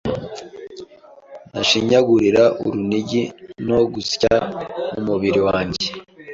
Nashinyagurira urunigi no gusya Umubiri wanjye